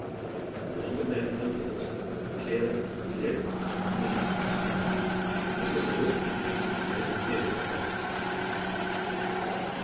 The longer mankind lived, the clearer and clearer became the meaning of Christianity, as must always be the case with every theory of life.